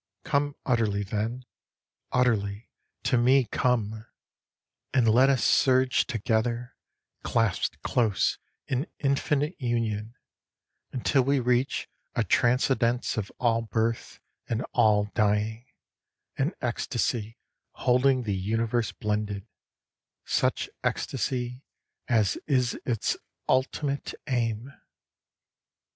Come utterly then, Utterly to me come, And let us surge together, clasped close, in infinite union, Until we reach a transcendence of all birth, and all dying, An ecstasy holding the universe blended Such ecstasy as is its ultimate Aim!